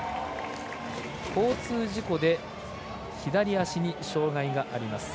交通事故で左足に障がいがあります。